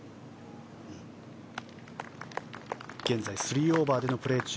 現在３オーバーでプレー中。